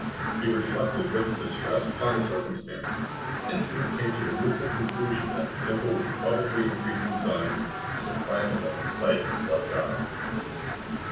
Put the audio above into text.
He reflected with distress upon the circumstance, and soon came to the rueful conclusion that the pimple would probably increase in size, and deprive him of the sight of his left eye.